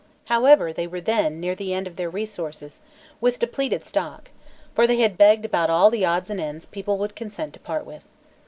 However, they were then, near the end of their resources, with depleted stock, for they had begged about all the odds and ends people would consent to part with.